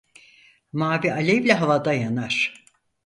Mavi alevle havada yanar.